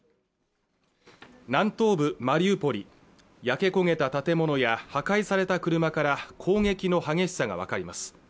南東部マリウポリ焼け焦げた建物や破壊された車から攻撃の激しさが分かります